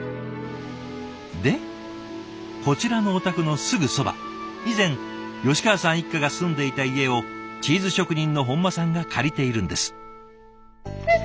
でこちらのお宅のすぐそば以前川さん一家が住んでいた家をチーズ職人の本間さんが借りているんです。